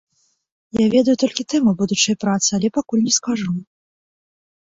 Я ведаю толькі тэму будучай працы, але пакуль не скажу.